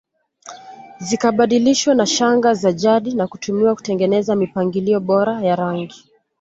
Zikabadilishwa na shanga za jadi na kutumiwa kutengeneza mipangilio bora ya rangi